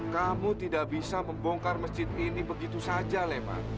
kamu tidak bisa membongkar masjid ini begitu saja lema